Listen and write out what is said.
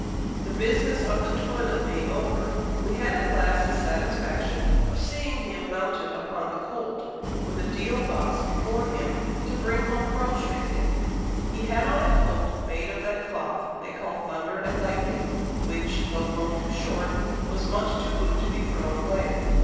The business of the toilet being over, we had at last the satisfaction of seeing him mounted upon the colt, with a deal box before him to bring home groceries in. He had on a coat made of that cloth they call thunder and lightning, which, though grown too short, was much too good to be thrown away.